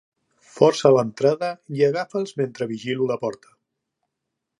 Força l'entrada i agafa'ls mentre vigilo la porta.